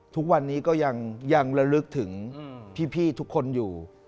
ทุกวันนี้ก็ยังระลึกถึงพี่ทุกคนอยู่